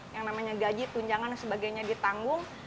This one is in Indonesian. yang namanya gaji tunjangan dan sebagainya ditanggung